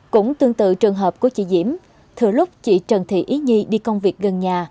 cũng tương tự trường hợp của chị diễm thử lúc chị trần thị ý nhi đi công việc gần nhà